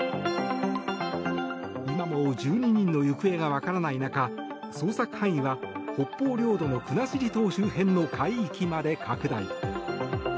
今も１２人の行方がわからない中捜索範囲は、北方領土の国後島周辺の海域まで拡大。